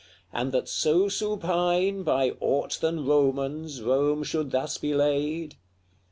and that so supine By aught than Romans Rome should thus be laid?